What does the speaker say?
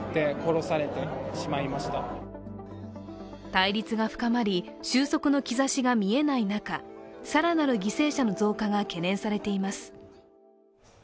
対立が深まり、収束の兆しが見えない中、更なる犠牲者の増加が懸念されています。